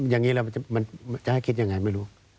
อย่างนี้มันจะให้คิดยังไงไม่รู้